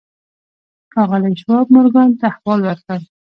ښاغلي شواب مورګان ته احوال ورکړ.